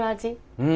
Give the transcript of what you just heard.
うん！